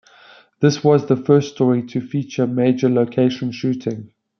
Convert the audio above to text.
This was the first story to feature major location shooting.